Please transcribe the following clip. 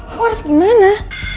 aku harus gimana